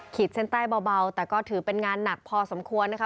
เส้นใต้เบาแต่ก็ถือเป็นงานหนักพอสมควรนะคะ